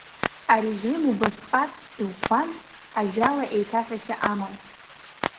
Арежим убасҟак иӷәӷәан, ажәала еиҭаҳәашьа амам.